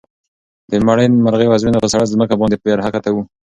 د مړې مرغۍ وزرونه په سړه ځمکه باندې بې حرکته وو.